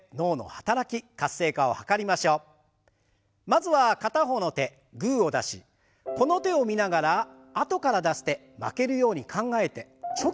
まずは片方の手グーを出しこの手を見ながらあとから出す手負けるように考えてチョキを出します。